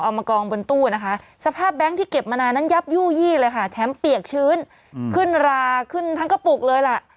มากองบนตู้นะคะสภาพแบงค์ที่เก็บมานานนั้นยับยู่ยี่เลยค่ะแถมเปียกชื้นขึ้นราขึ้นทั้งกระปุกเลยล่ะ